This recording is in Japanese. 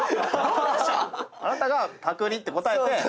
あなたがパクリって答えて。